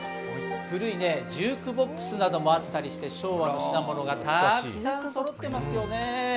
古いジュークボックスなどもあったりして昭和の品物がたくさんそろっていますよね。